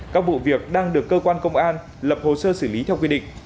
các vụ việc đang được cơ quan công an lập hồ sơ xử lý theo quy định